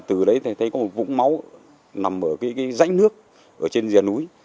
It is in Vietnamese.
từ đấy thấy có một vũng máu nằm ở dãnh nước trên dìa núi